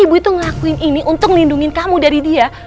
ibu itu ngelakuin ini untuk ngelindungin kamu dari dia